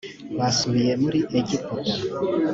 basubiye muri egiputa